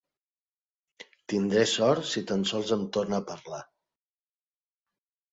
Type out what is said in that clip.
Tindré sort si tan sols em torna a parlar.